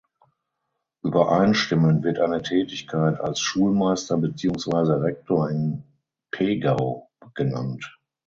Übereinstimmend wird eine Tätigkeit als Schulmeister beziehungsweise Rektor in Pegau genannt.